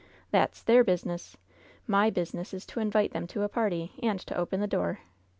"That's their business ! My business is to invite them to a party, and to open the door.